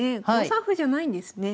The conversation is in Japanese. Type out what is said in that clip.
５三歩じゃないんですね。